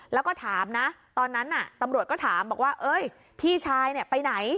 แล้วก็ถามนะตอนนั้นตำรวจก็ถามบอกว่าพี่ชายไปไหน